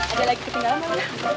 ada lagi ketinggalan mana